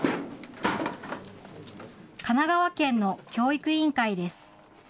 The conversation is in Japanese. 神奈川県の教育委員会です。